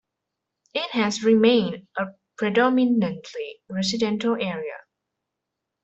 It has remained a predominantly residential area.